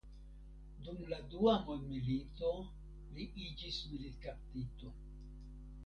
Dum la dua mondmilito li iĝis militkaptito.